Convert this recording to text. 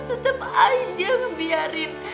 tetep aja ngebiarin